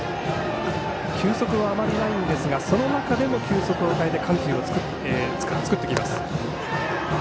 球速はあまりないんですがその中でも球速を変えて緩急を作ってきます。